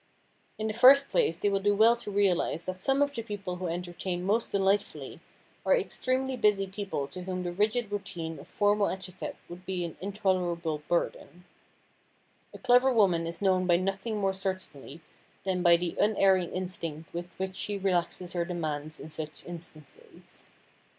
In the first place they will do well to realize that some of the people who entertain most delightfully are extremely busy people to whom the rigid routine of formal etiquette would be an intolerable burden. A clever woman is known by nothing more certainly than by the unerring instinct with which she relaxes her demands in such instances.